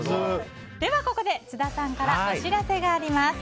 ではここで津田さんからお知らせがあります。